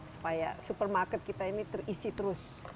supaya supermarket kita ini terisi terus